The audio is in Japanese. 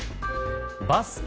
バスケ